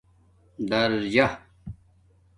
دَرجہ